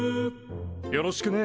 よろしくね。